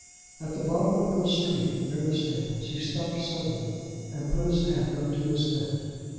At the bottom of Hill Street, near the stables, he stopped suddenly and put his hand up to his head.